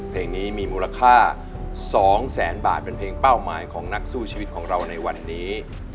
เพลงนี้มีมูลค่า๒แสนบาทเป็นเพลงเป้าหมายของนักสู้ชีวิตของเราในวันนี้